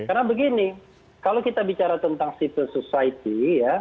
karena begini kalau kita bicara tentang civil society ya